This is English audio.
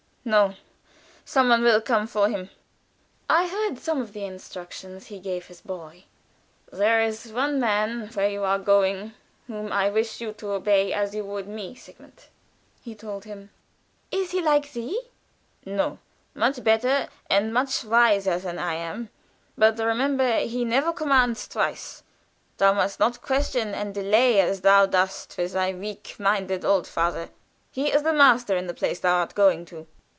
"No; some one will come for him." I heard some of the instructions he gave his boy. "There is one man where you are going, whom I wish you to obey as you would me, Sigmund," he told him. "Is he like thee?" "No; much better and wiser than I am. But, remember, he never commands twice. Thou must not question and delay as thou dost with thy weak minded old father. He is the master in the place thou art going to."